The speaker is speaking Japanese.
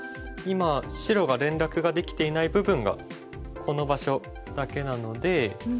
今白が連絡ができていない部分がこの場所だけなので。